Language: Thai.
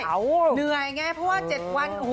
เหนื่อยไงเพราะว่า๗วัน